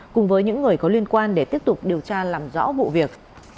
cùng với những người có liên quan để tiếp tục điều tra làm rõ vụ việc